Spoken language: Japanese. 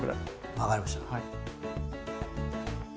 分かりました。